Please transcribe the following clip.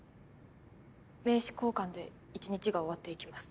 名刺交換で一日が終わっていきます。